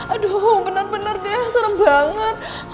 aduh benar benar deh serem banget